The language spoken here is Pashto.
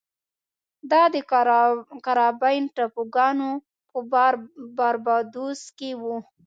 دا د کارابین ټاپوګانو په باربادوس کې و.